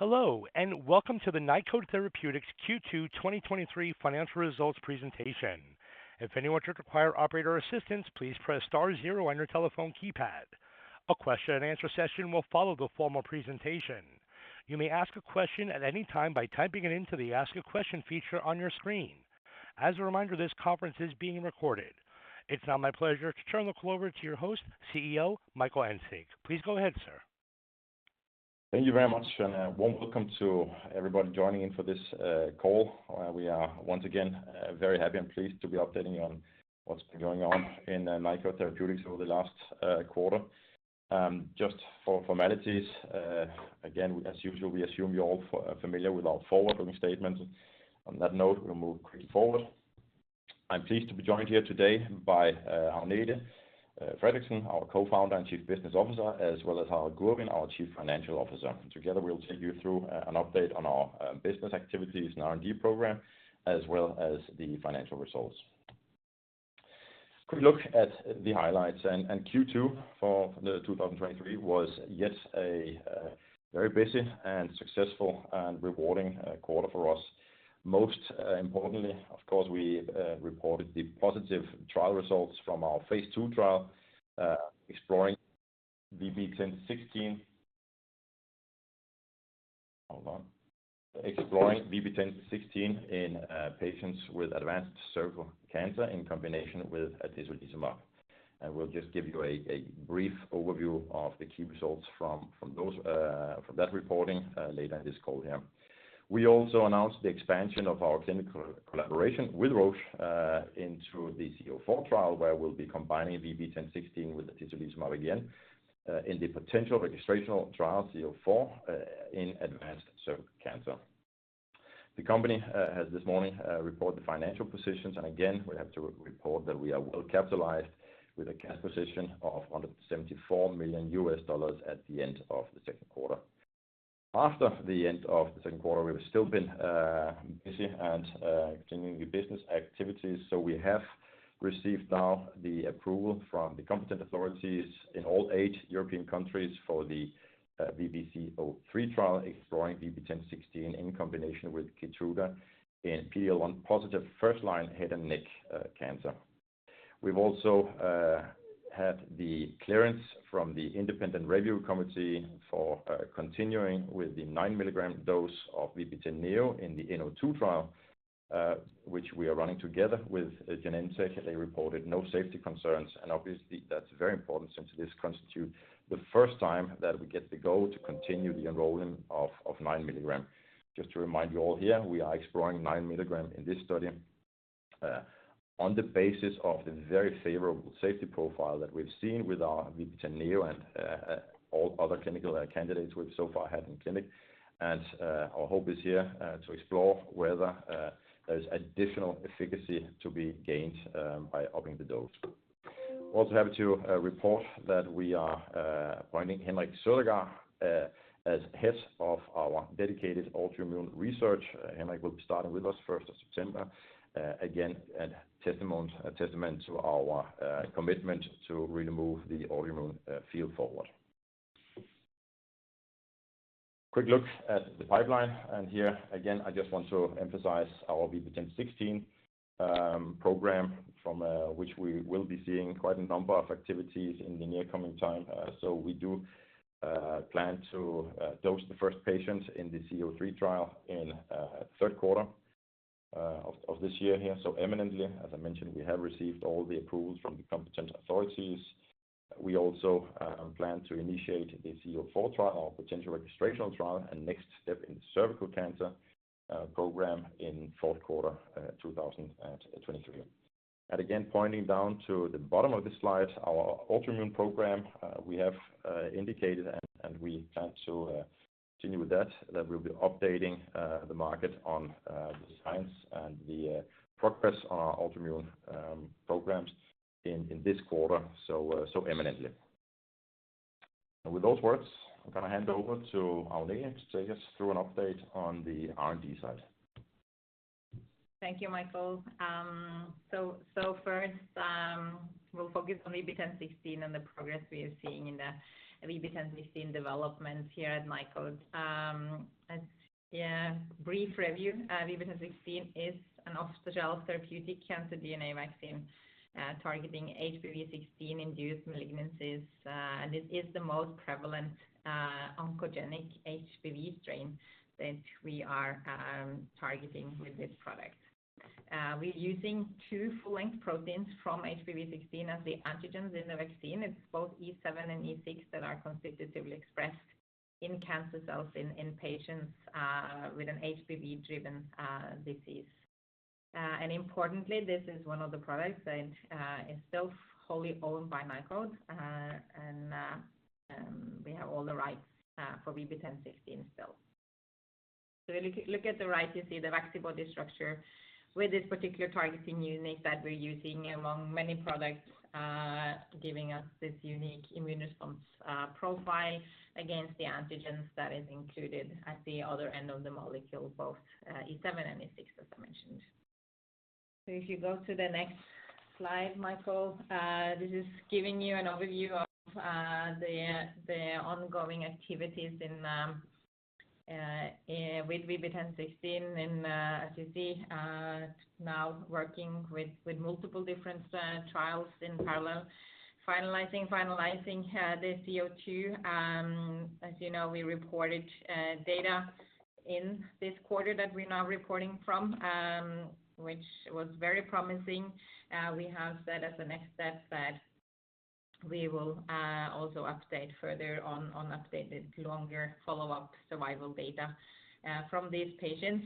Hello, and welcome to the Nykode Therapeutics Q2 2023 financial results presentation. If anyone should require operator assistance, please press star zero on your telephone keypad. A question and answer session will follow the formal presentation. You may ask a question at any time by typing it into the Ask a Question feature on your screen. As a reminder, this conference is being recorded. It's now my pleasure to turn the call over to your host, CEO, Michael Engsig. Please go ahead, sir. Thank you very much, and warm welcome to everybody joining in for this call. We are once again very happy and pleased to be updating you on what's been going on in Nykode Therapeutics over the last quarter. Just for formalities, again, as usual, we assume you're all familiar with our forward-looking statements. On that note, we'll move quickly forward. I'm pleased to be joined here today by Agnete Fredriksen, our co-founder and Chief Business Officer, as well as Harald Gurvin, our Chief Financial Officer. Together, we'll take you through an update on our business activities and R&D program, as well as the financial results. Quick look at the highlights, and Q2 for 2023 was yet a very busy and successful, and rewarding quarter for us. Most importantly, of course, we reported the positive trial results from our Phase 2 trial exploring VB10.16. Hold on. Exploring VB10.16 in patients with advanced cervical cancer in combination with atezolizumab. We'll just give you a brief overview of the key results from from those from that reporting later in this call here. We also announced the expansion of our clinical collaboration with Roche into the C-04 trial, where we'll be combining VB10.16 with atezolizumab again in the potential registrational trial C-04 in advanced cervical cancer. The company has this morning reported the financial positions. Again, we have to report that we are well capitalized with a cash position of $174 million at the end of the second quarter. After the end of the second quarter, we've still been busy and continuing the business activities, so we have received now the approval from the competent authorities in all 8 European countries for the VB-C-03 trial, exploring VB10.16 in combination with Keytruda in PD-L1 positive first-line head and neck cancer. We've also had the clearance from the independent review committee for continuing with the 9 mg dose of VB10.NEO in the VB-N-02 trial, which we are running together with Genentech. They reported no safety concerns, and obviously, that's very important since this constitute the first time that we get the go to continue the enrolling of 9 mg. Just to remind you all here, we are exploring 9 milligrams in this study on the basis of the very favorable safety profile that we've seen with our VB10.NEO and all other clinical candidates we've so far had in clinic. Our hope is here to explore whether there is additional efficacy to be gained by upping the dose. We're also happy to report that we are appointing Henrik Søndergaard as head of our dedicated autoimmune research. Henrik will be starting with us first of September, again, a testament, a testament to our commitment to really move the autoimmune field forward. Quick look at the pipeline. Here, again, I just want to emphasize our VB10.16 program, from which we will be seeing quite a number of activities in the near coming time. We do plan to dose the first patients in the C-03 trial in third quarter of this year here. Imminently, as I mentioned, we have received all the approvals from the competent authorities. We also plan to initiate the C-04 trial, our potential registrational trial and next step in cervical cancer program in fourth quarter 2023. Again, pointing down to the bottom of this slide, our autoimmune program, we have indicated, and, and we plan to continue with that, that we'll be updating the market on the science and the progress on our autoimmune programs in this quarter, so imminently. With those words, I'm going to hand over to Agnete to take us through an update on the R&D side. Thank you, Michael. So first, we'll focus on VB10.16 and the progress we are seeing in the VB 1016 developments here at Nykode. As, yeah, a brief review, VB 1016 is an off-the-shelf therapeutic cancer DNA vaccine targeting HPV-16 induced malignancies. This is the most prevalent oncogenic HPV strain that we are targeting with this product. We're using two full-length proteins from HPV-16 as the antigens in the vaccine. It's both E7 and E6 that are constitutively expressed in cancer cells in patients with an HPV-driven disease. Importantly, this is one of the products that is still wholly owned by Nykode, and we have all the rights for VB 1016 still. If you look at the right, you see the Vaccibody structure with this particular targeting unit that we're using among many products, giving us this unique immune response profile against the antigens that is included at the other end of the molecule, both E7 and E6, as I mentioned. If you go to the next slide, Michael, this is giving you an overview of the ongoing activities with VB10.16. As you see, now working with multiple different trials in parallel, finalizing, finalizing the C-02. As you know, we reported data in this quarter that we're now reporting from, which was very promising. We have said as the next step that we will also update further on updated longer follow-up survival data from these patients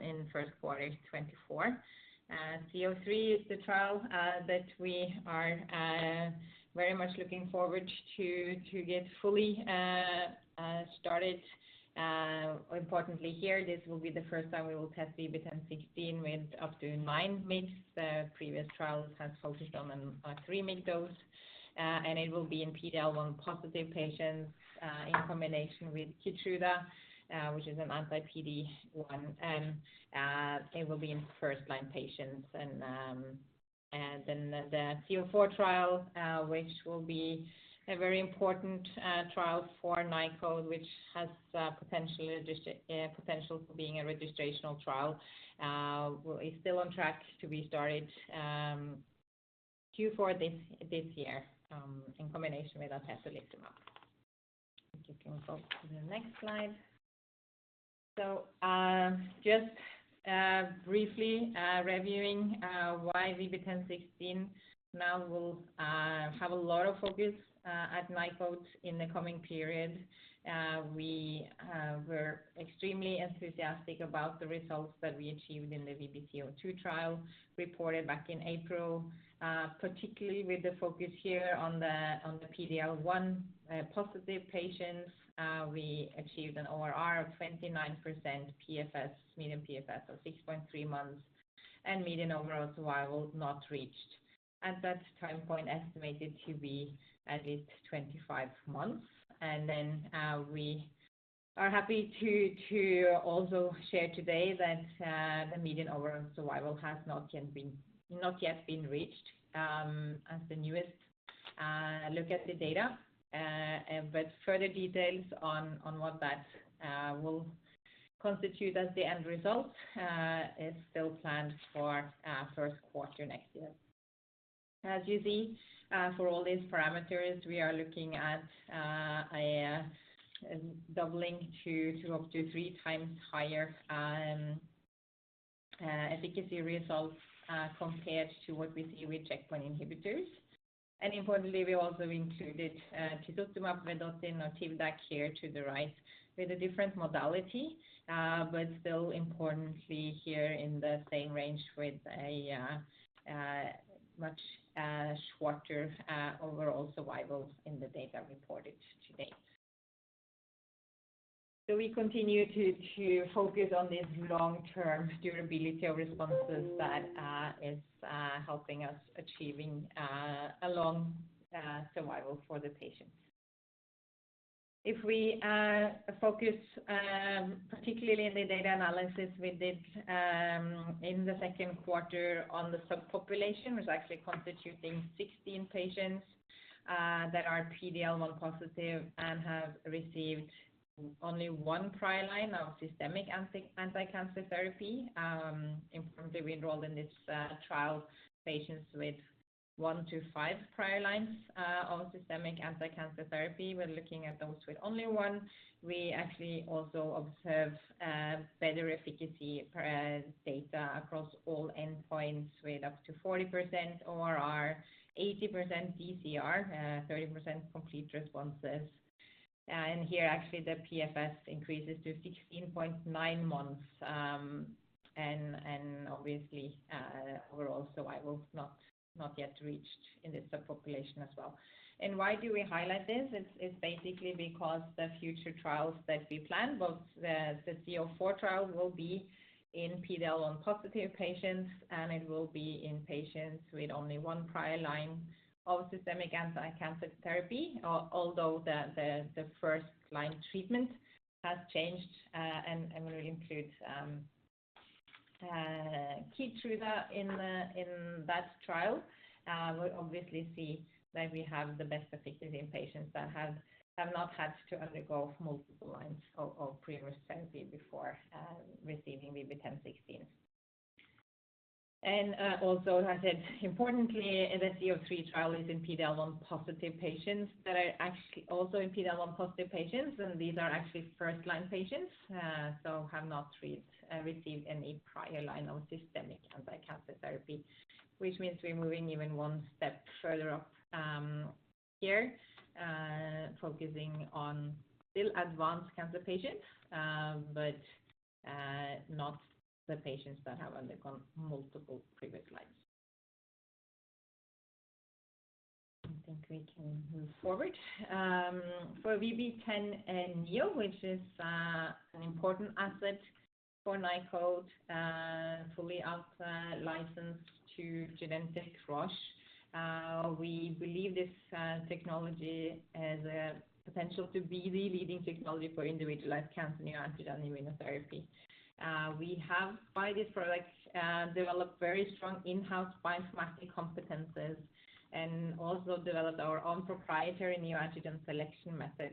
in first quarter 2024. C-03 is the trial that we are very much looking forward to get fully started. Importantly here, this will be the first time we will test VB10.16 with up to 9 mg. The previous trials has focused on 3 mg dose, and it will be in PD-L1 positive patients in combination with Keytruda, which is an anti-PD-1. It will be in first-line patients. The C-04 trial, which will be a very important trial for Nykode, which has potential for being a registrational trial, is still on track to be started Q4 this year, in combination with Atezolizumab. If you can go to the next slide. Just briefly reviewing why VB10.16 now will have a lot of focus at Nykode in the coming period. We were extremely enthusiastic about the results that we achieved in the VB-C-02 trial reported back in April, particularly with the focus here on the PD-L1 positive patients. We achieved an ORR of 29% PFS, median PFS of 6.3 months, and median overall survival not reached. At that time point, estimated to be at least 25 months. We are happy to also share today that the median overall survival has not yet been reached as the newest look at the data. Further details on what that will constitute as the end result is still planned for first quarter next year. As you see, for all these parameters, we are looking at a doubling to up to three times higher efficacy results compared to what we see with checkpoint inhibitors. Importantly, we also included Tisotumab, Vedotin, or Tivdak here to the right, with a different modality, but still importantly, here in the same range with a much shorter overall survivals in the data reported to date. We continue to, to focus on this long-term durability of responses that is helping us achieving a long survival for the patients. If we focus particularly in the data analysis we did in the second quarter on the subpopulation, was actually constituting 16 patients that are PD-L1 positive and have received only 1 prior line of systemic anti, anti-cancer therapy. Importantly, we enrolled in this trial, patients with 1-5 prior lines of systemic anti-cancer therapy. We're looking at those with only 1. We actually also observe better efficacy data across all endpoints, with up to 40% ORR, 80% DCR, 30% complete responses. Here, actually, the PFS increases to 16.9 months. Obviously, overall survival not, not yet reached in this subpopulation as well. Why do we highlight this? It's basically because the future trials that we plan, both the C-04 trial will be in PD-L1 positive patients, and it will be in patients with only 1 prior line of systemic anti-cancer therapy. Although the first line treatment has changed, and we include Keytruda in that trial. We obviously see that we have the best efficacy in patients that have not had to undergo multiple lines of previous therapy before receiving VB10.16. Also, as I said, importantly, the C-03 trial is in PD-L1 positive patients, that are actually also in PD-L1 positive patients, and these are actually first-line patients, so have not received any prior line of systemic anti-cancer therapy. Which means we're moving even one step further up here, focusing on still advanced cancer patients, but not the patients that have undergone multiple previous lines. I think we can move forward. For VB10.NEO, which is an important asset for Nykode, fully out licensed to Genentech Roche. We believe this technology has a potential to be the leading technology for individualized cancer neoantigen immunotherapy. We have, by this product, developed very strong in-house bioinformatics competences and also developed our own proprietary neoantigen selection method.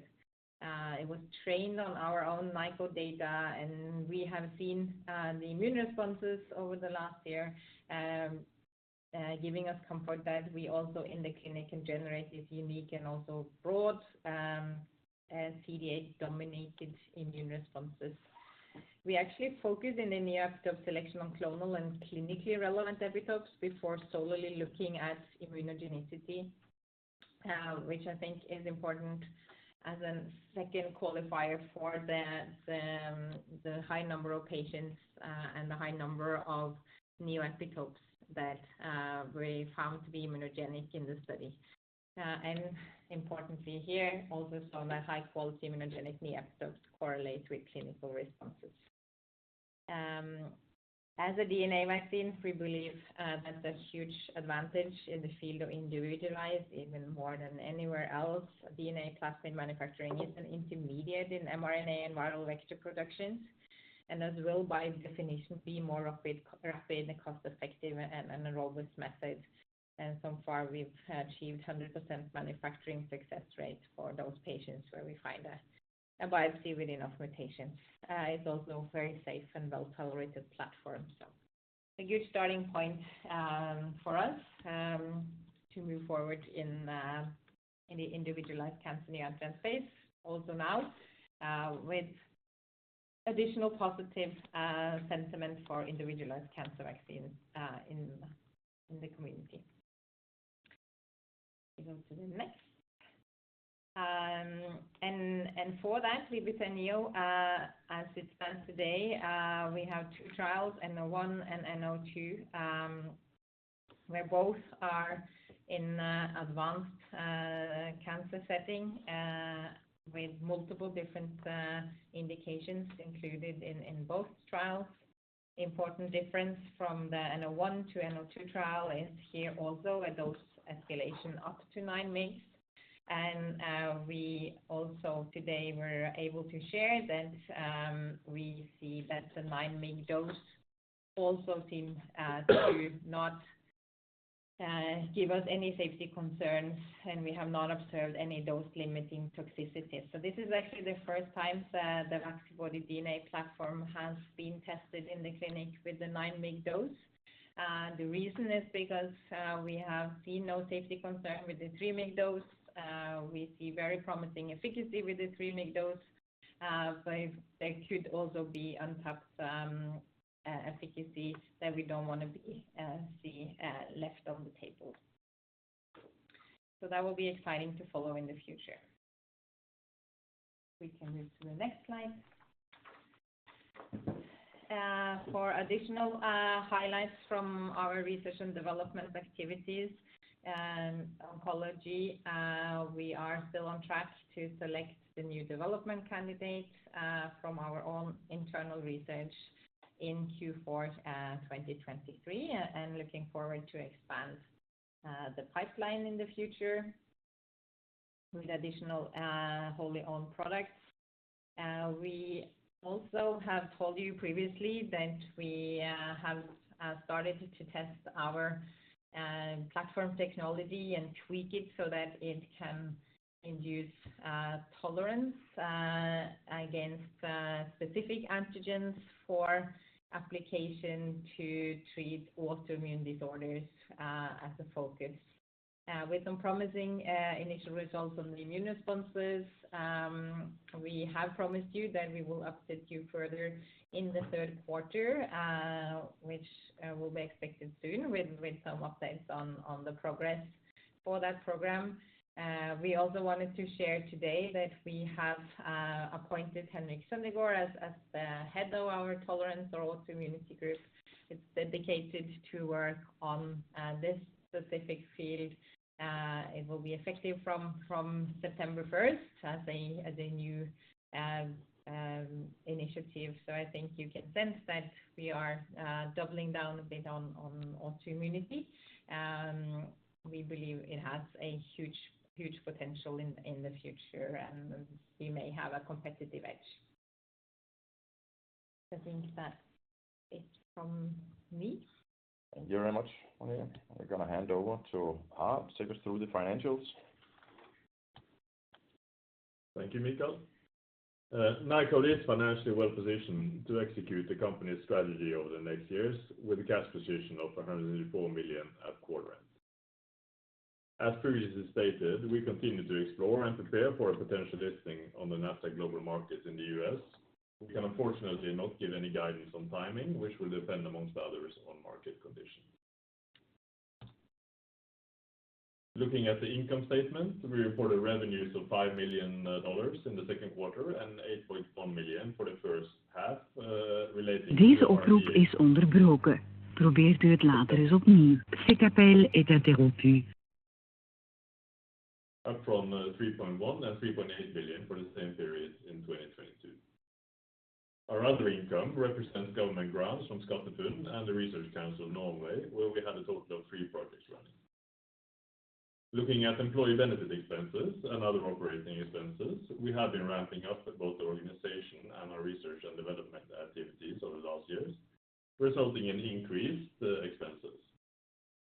It was trained on our own microdata, and we have seen the immune responses over the last year, giving us comfort that we also in the clinic can generate this unique and also broad CD8-dominated immune responses. We actually focus in the neoepitope selection on clonal and clinically relevant epitopes before solely looking at immunogenicity, which I think is important as a second qualifier for the, the, the high number of patients, and the high number of new epitopes that we found to be immunogenic in the study. Importantly here, also saw that high-quality immunogenic neoepitopes correlate with clinical responses. As a DNA vaccine, we believe that's a huge advantage in the field of individualized, even more than anywhere else. DNA plasmid manufacturing is an intermediate in mRNA and viral vector productions, as well, by definition, be more rapid and cost-effective and a robust method. So far, we've achieved 100% manufacturing success rate for those patients where we find a biopsy with enough mutations. It's also a very safe and well-tolerated platform. A good starting point for us to move forward in the individualized cancer neoantigen space. Also now, with additional positive sentiment for individualized cancer vaccines in the community. We go to the next. For that, VB10.NEO, as it stands today, we have two trials, N-01 and N-02, where both are in advanced cancer setting, with multiple different indications included in both trials. Important difference from the N-01 to N-02 trial is here also a dose escalation up to 9 mg. We also today were able to share that we see that the 9 mg dose also seems to not give us any safety concerns, and we have not observed any dose-limiting toxicity. This is actually the first time that the Vaccibody DNA platform has been tested in the clinic with the 9 mg dose. The reason is because we have seen no safety concern with the 3 mg dose. We see very promising efficacy with the 3 mg dose. So there could also be untapped efficacy that we don't want to be see left on the table. That will be exciting to follow in the future. We can move to the next slide. For additional highlights from our research and development activities and oncology, we are still on track to select the new development candidate from our own internal research in Q4 2023, and looking forward to expand the pipeline in the future with additional wholly owned products. We also have told you previously that we have started to test our platform technology and tweak it so that it can induce tolerance against specific antigens for application to I think you can sense that we are doubling down a bit on, on, on autoimmunity. We believe it has a huge, huge potential in, in the future, and we may have a competitive edge. I think that's it from me. Thank you very much, Maria. I'm going to hand over to Harald to take us through the financials. Thank you, Michael. Nykode is financially well positioned to execute the company's strategy over the next years with a cash position of $104 million at quarter end. As previously stated, we continue to explore and prepare for a potential listing on the Nasdaq Global Market in the U.S. We can unfortunately not give any guidance on timing, which will depend, amongst others, on market conditions. Looking at the income statement, we reported revenues of $5 million in the second quarter and $8.1 million for the first half, up from $3.1 billion and $3.8 billion for the same period in 2022. Our other income represents government grants from SkatteFUNN and the Research Council of Norway, where we had a total of three projects running. Looking at employee benefit expenses and other operating expenses, we have been ramping up both the organization and our research and development activities over the last years, resulting in increased expenses.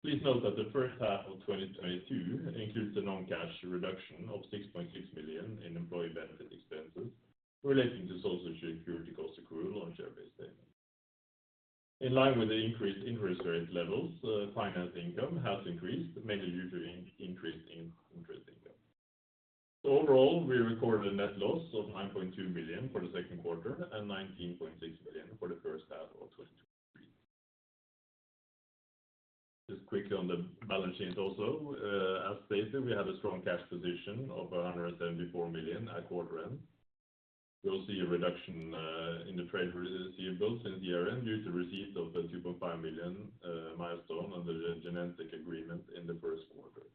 Please note that the first half of 2022 includes the non-cash reduction of $6.6 million in employee benefit expenses relating to Social Security cost accrual on share-based payment. In line with the increased interest rate levels, finance income has increased, mainly due to increase in interest income. Overall, we recorded a net loss of $9.2 million for the second quarter and $19.6 million for the first half of 2023. Just quickly on the balance sheet also, as stated, we have a strong cash position of $174 million at quarter end. We'll see a reduction in the trade receivables in the year-end due to receipt of the 2.5 million milestone under the Genentech agreement in the first quarter.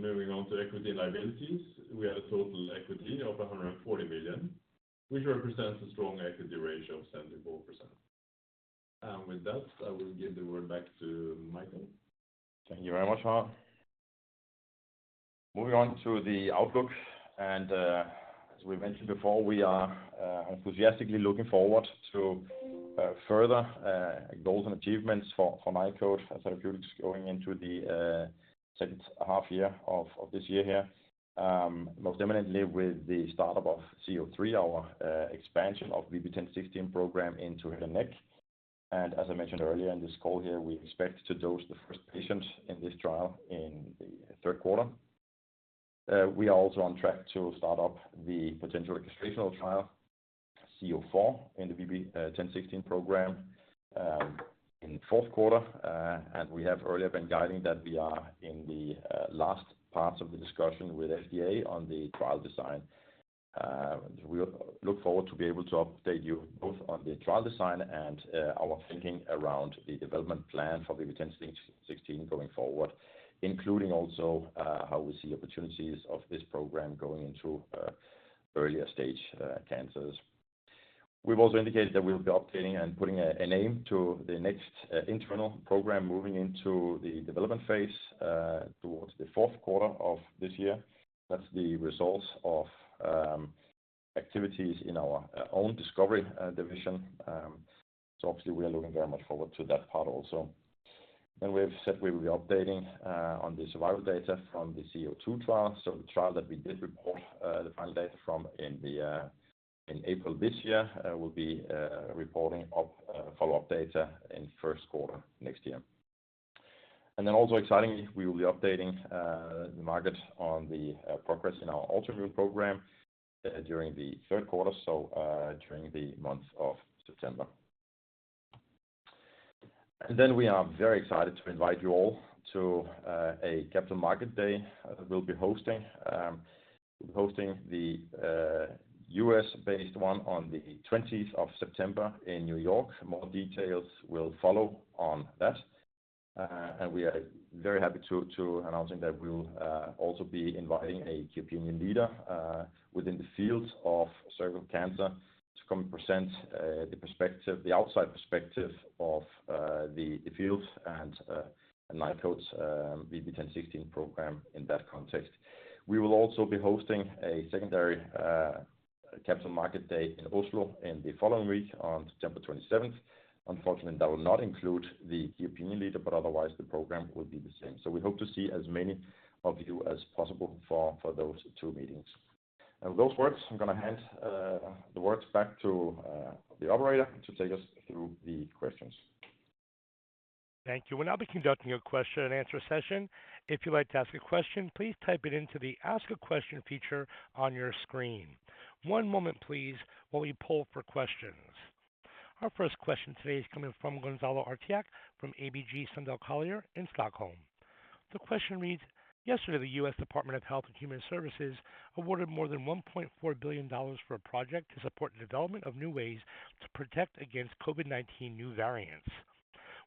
Moving on to equity and liabilities, we have a total equity of 140 million, which represents a strong equity ratio of 74%. With that, I will give the word back to Michael. Thank you very much, Harald. Moving on to the outlook, as we mentioned before, we are enthusiastically looking forward to further goals and achievements for Nykode Therapeutics going into the second half year of this year here. Most eminently with the start-up of C-03, our expansion of VB10.16 program into head and neck. As I mentioned earlier in this call here, we expect to dose the first patient in this trial in the third quarter. We are also on track to start up the potential registrational trial, VB-C-04, in the VB10.16 program in the fourth quarter. We have earlier been guiding that we are in the last parts of the discussion with FDA on the trial design. We look forward to be able to update you both on the trial design and our thinking around the development plan for VB10.16 going forward, including also, how we see opportunities of this program going into earlier stage cancers. We've also indicated that we will be updating and putting a, a name to the next internal program moving into the development phase towards the fourth quarter of this year. That's the results of activities in our own discovery division. Obviously, we are looking very much forward to that part also. We've said we will be updating on the survival data from the VB-C-02 trial. The trial that we did report the final data from in April this year will be reporting up follow-up data in first quarter next year. Also excitingly, we will be updating the market on the progress in our Ultraviu program during the third quarter, so during the month of September. We are very excited to invite you all to a Capital Markets Day. We'll be hosting, we'll be hosting the U.S.-based one on the 20th of September in New York. More details will follow on that. We are very happy to, to announcing that we'll also be inviting a key opinion leader within the field of cervical cancer, to come and present the perspective, the outside perspective of the field and Nykode's VB10.16 program in that context. We will also be hosting a secondary Capital Markets Day in Oslo in the following week on September 27th. Unfortunately, that will not include the key opinion leader, but otherwise, the program will be the same. We hope to see as many of you as possible for, for those two meetings. With those words, I'm going to hand the words back to the operator to take us through the questions. Thank you. We'll now be conducting a question and answer session. If you'd like to ask a question, please type it into the Ask a Question feature on your screen. One moment please, while we poll for questions. Our first question today is coming from Gonzalo Artiach, from ABG Sundal Collier in Stockholm. The question reads: Yesterday, the U.S. Department of Health and Human Services awarded more than $1.4 billion for a project to support the development of new ways to protect against COVID-19 new variants.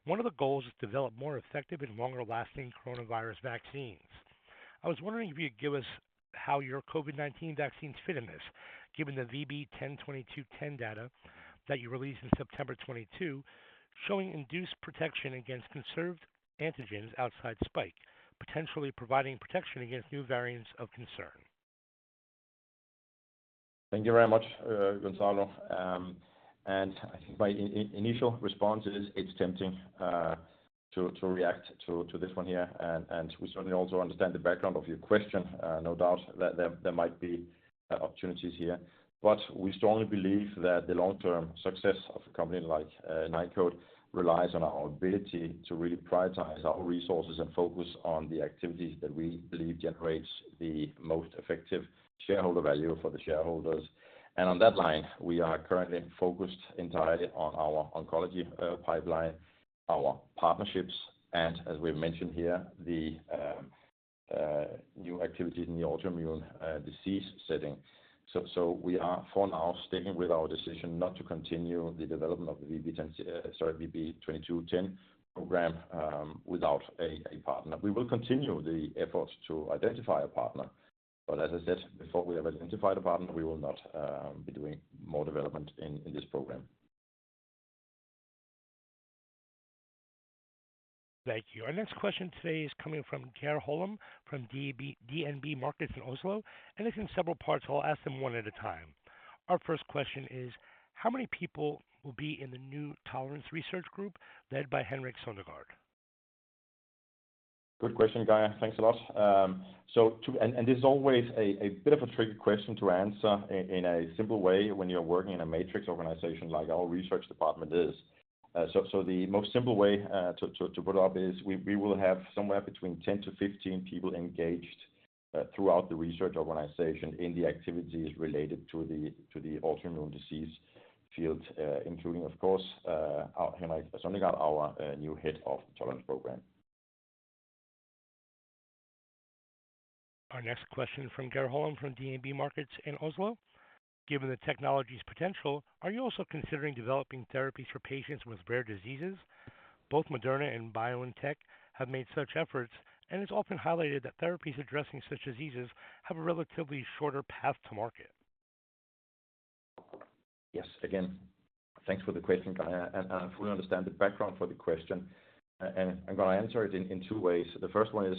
One of the goals is to develop more effective and longer-lasting coronavirus vaccines. I was wondering if you could give us how your COVID-19 vaccines fit in this, given the VB10.2210 data that you released in September 2022, showing induced protection against conserved antigens outside spike, potentially providing protection against new variants of concern. Thank you very much, Gonzalo. I think my initial response is, it's tempting to react to this one here, and we certainly also understand the background of your question. No doubt that there might be opportunities here. We strongly believe that the long-term success of a company like Nykode, relies on our ability to really prioritize our resources and focus on the activities that we believe generates the most effective shareholder value for the shareholders. On that line, we are currently focused entirely on our oncology pipeline, our partnerships, and as we've mentioned here, the new activities in the autoimmune disease setting. We are for now, sticking with our decision not to continue the development of the VB10, sorry, VB2210 program without a partner. We will continue the efforts to identify a partner, but as I said, before, we have identified a partner, we will not be doing more development in, in this program. Thank you. Our next question today is coming from Geir Holum, from DNB Markets in Oslo, and it's in several parts, so I'll ask them one at a time. Our first question is: How many people will be in the new tolerance research group led by Henrik Søndergaard? Good question, Geir. Thanks a lot. This is always a, a bit of a tricky question to answer in, in a simple way when you're working in a matrix organization like our research department is. The most simple way to put it up is we will have somewhere between 10 to 15 people engaged throughout the research organization in the activities related to the autoimmune disease field, including, of course, our Henrik Søndergaard, our new head of the tolerance program. Our next question from Geir Holum, from DNB Markets in Oslo: Given the technology's potential, are you also considering developing therapies for patients with rare diseases? Both Moderna and BioNTech have made such efforts, it's often highlighted that therapies addressing such diseases have a relatively shorter path to market. Yes. Again, thanks for the question, Geir, if we understand the background for the question, I'm gonna answer it in two ways. The first one is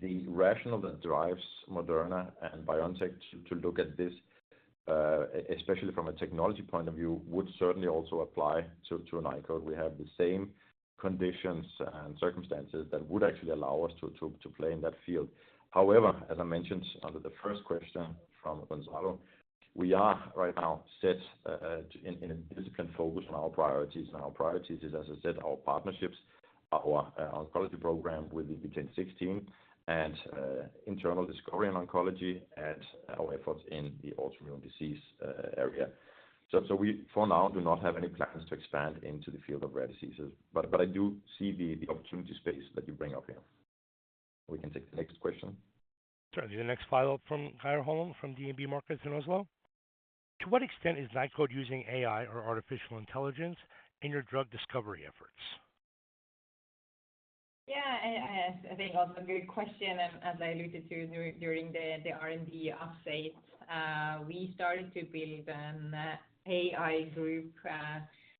the rationale that drives Moderna and BioNTech to look at this especially from a technology point of view, would certainly also apply to Nykode. We have the same conditions and circumstances that would actually allow us to play in that field. However, as I mentioned under the first question from Gonzalo, we are right now set in a disciplined focus on our priorities, our priorities is, as I said, our partnerships, our oncology program with the VB10.16, internal discovery and oncology at our efforts in the autoimmune disease area. So we for now, do not have any plans to expand into the field of rare diseases, but, but I do see the, the opportunity space that you bring up here. We can take the next question. Sure. The next follow-up from Geir Holum, from DNB Markets in Oslo. To what extent is Nykode using AI or artificial intelligence in your drug discovery efforts? Yeah, I, I think that's a good question, and as I alluded to during the R&D update, we started to build an AI group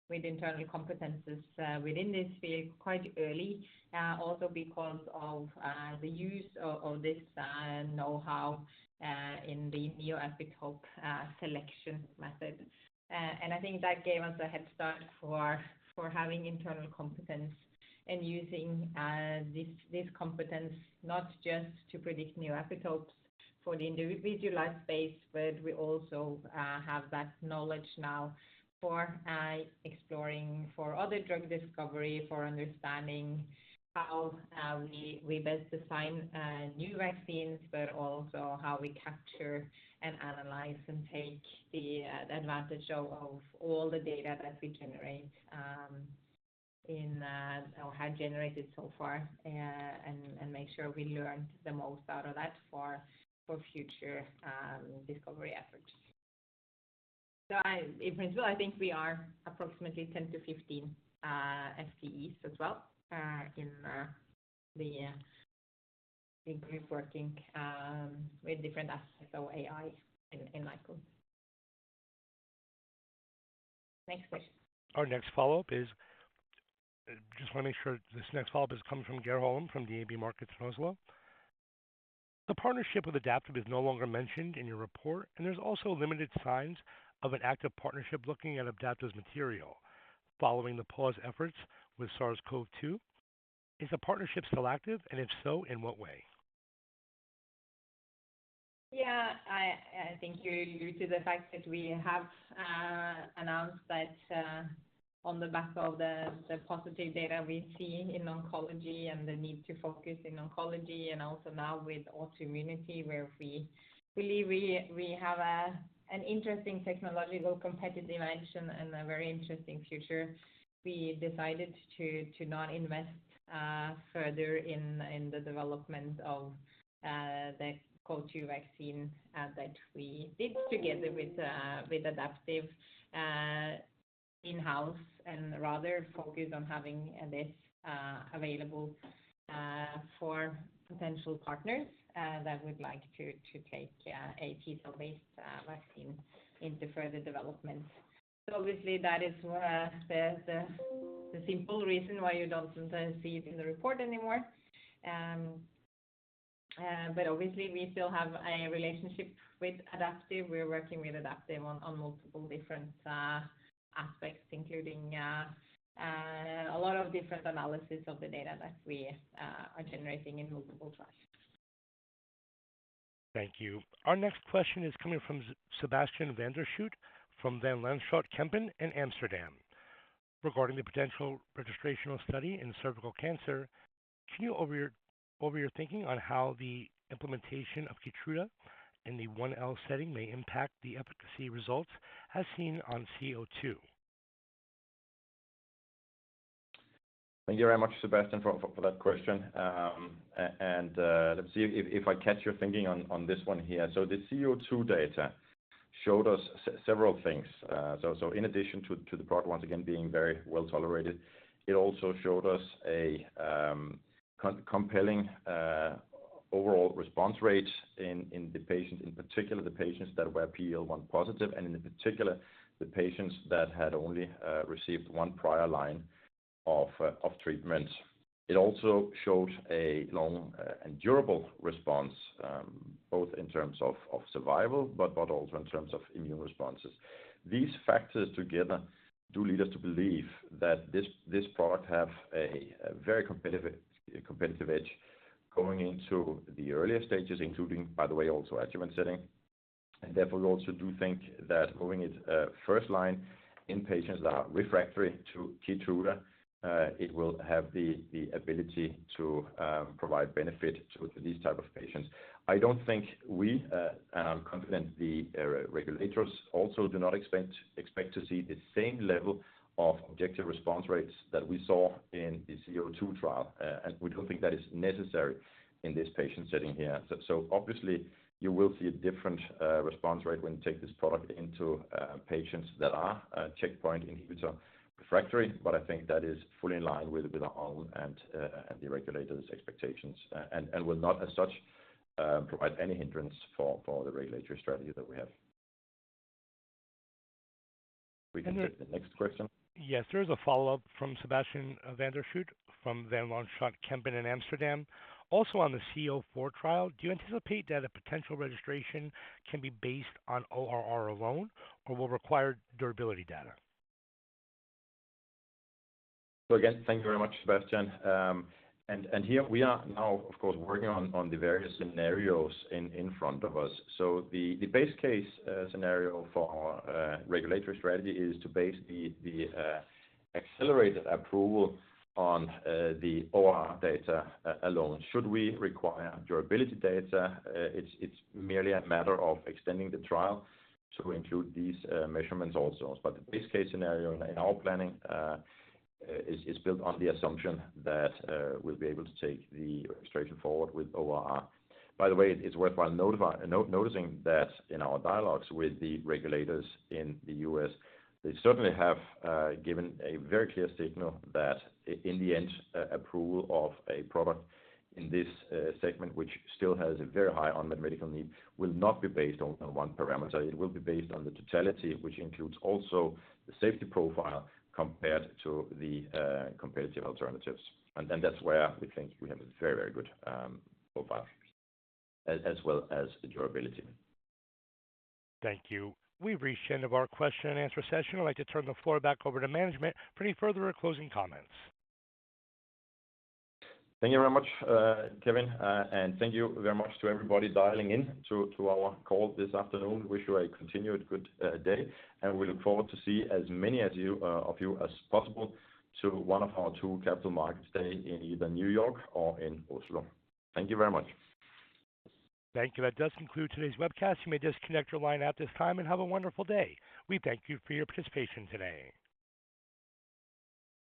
with internal competencies within this field quite early, also because of the use of this know-how in the neoepitope selection method. I think that gave us a head start for having internal competence and using this competence not just to predict new epitopes for the individualized space, but we also have that knowledge now for exploring, for other drug discovery, for understanding how we best design new vaccines, but also how we capture and analyze, and take the advantage of all the data that we generate in or have generated so far, and make sure we learn the most out of that for future discovery efforts. In principle, I think we are approximately 10-15 FTEs as well, in the group working with different aspects of AI in Nykode. Next question. Our next follow-up is... Just wanna make sure this next follow-up has come from Geir Holum, from DNB Markets in Oslo. The partnership with Adaptive is no longer mentioned in your report, and there's also limited signs of an active partnership looking at Adaptive's material. Following the pause efforts with SARS-CoV-2, is the partnership still active, and if so, in what way? Yeah, I think due to the fact that we have announced that, on the back of the positive data we've seen in oncology and the need to focus in oncology, and also now with autoimmunity, where we believe we have an interesting technological competitive dimension and a very interesting future, we decided to not invest further in the development of the SARS-CoV-2 vaccine that we did together with Adaptive in-house, and rather focus on having this available for potential partners that would like to take a T-cell-based vaccine into further development. Obviously, that is the simple reason why you don't sometimes see it in the report anymore. Obviously, we still have a relationship with Adaptive. We're working with Adaptive on, on multiple different aspects, including a lot of different analysis of the data that we are generating in multiple trials. Thank you. Our next question is coming from Sebastian van der Schoot, from Van Lanschot Kempen in Amsterdam. Regarding the potential registrational study in cervical cancer, can you go over your, over your thinking on how the implementation of Keytruda in the 1L setting may impact the efficacy results as seen on C-02?... Thank you very much, Sebastian, for, for that question. Let's see if, if I catch your thinking on, on this one here. The VB-C-02 data showed us several things. In addition to, to the product once again being very well tolerated, it also showed us a compelling overall response rate in, in the patients, in particular, the patients that were PD-L1 positive, and in particular, the patients that had only received one prior line of treatment. It also showed a long and durable response, both in terms of, of survival, but, but also in terms of immune responses. These factors together do lead us to believe that this, this product have a, a very competitive, competitive edge going into the earlier stages, including, by the way, also adjuvant setting. Therefore, we also do think that moving it, first line in patients that are refractory to Keytruda, it will have the, the ability to provide benefit to these type of patients. I don't think we, and I'm confident the regulators also do not expect, expect to see the same level of objective response rates that we saw in the VB-C-02 trial. And we don't think that is necessary in this patient setting here. Obviously, you will see a different response rate when you take this product into patients that are checkpoint inhibitor refractory. I think that is fully in line with, with our own and the regulators' expectations, and will not, as such, provide any hindrance for, for the regulatory strategy that we have. We can take the next question. Yes, there is a follow-up from Sebastian van der Schoot, from Van Lanschot Kempen in Amsterdam. Also, on the VB-C-04 trial, do you anticipate that a potential registration can be based on ORR alone or will require durability data? Again, thank you very much, Sebastian. Here we are now, of course, working on the various scenarios in front of us. The base case scenario for our regulatory strategy is to base the accelerated approval on the ORR data alone. Should we require durability data, it's merely a matter of extending the trial to include these measurements also. The base case scenario in our planning is built on the assumption that we'll be able to take the registration forward with ORR. By the way, it's worthwhile noticing that in our dialogues with the regulators in the U.S., they certainly have given a very clear signal that in the end, approval of a product in this segment, which still has a very high unmet medical need, will not be based on one parameter. It will be based on the totality, which includes also the safety profile, compared to the competitive alternatives. That's where we think we have a very, very good profile as well as the durability. Thank you. We've reached the end of our question and answer session. I'd like to turn the floor back over to management for any further or closing comments. Thank you very much, Kevin, and thank you very much to everybody dialing in to, to our call this afternoon. Wish you a continued good day, and we look forward to see as many as you of you as possible to one of our two Capital Markets Day in either New York or in Oslo. Thank you very much. Thank you. That does conclude today's webcast. You may disconnect your line at this time and have a wonderful day. We thank you for your participation today.